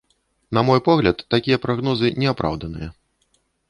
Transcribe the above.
На мой погляд, такія прагнозы не апраўданыя.